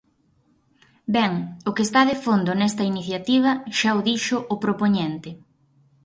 Ben, o que está de fondo nesta iniciativa xa o dixo o propoñente.